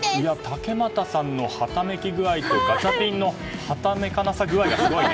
竹俣さんのはためき具合とガチャピンのはためかなさ具合がすごいね。